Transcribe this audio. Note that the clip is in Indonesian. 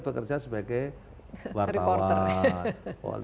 bekerja sebagai wartawan